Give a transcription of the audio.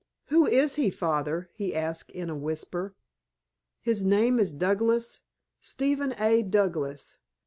"Who is he, Father?" he asked in a whisper. "His name is Douglas—Stephen A. Douglas.